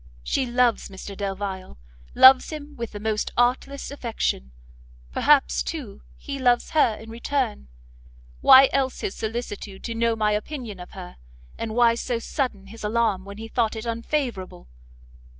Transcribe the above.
She loves Mr Delvile, loves him with the most artless affection; perhaps, too, he loves her in return, why else his solicitude to know my opinion of her, and why so sudden his alarm when he thought it unfavourable?